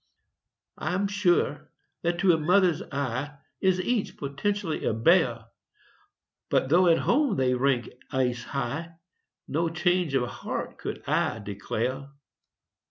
I'm sure that to a mother's eye Is each potentially a bear. But though at home they rank ace high, No change of heart could I declare.